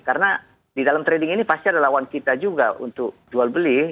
karena di dalam trading ini pasti ada lawan kita juga untuk jual beli